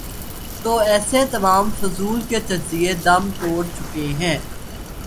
تو ایسے تمام فضول کے تجزیے دم توڑ چکے ہیں۔